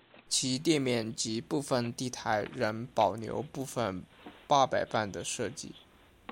其店面及部份地台仍保留部份八佰伴的设计。